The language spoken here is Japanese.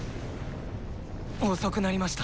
遅くなりました